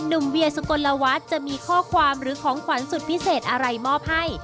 เวียสุกลวัฒน์จะมีข้อความหรือของขวัญสุดพิเศษอะไรมอบให้